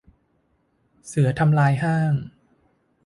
เสือทำลายห้าง